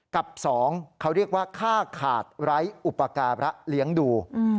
กับ๒ค่าขาดไร้อุปการะเลี้ยงดู